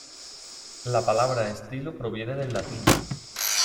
La palabra estilo proviene del latín.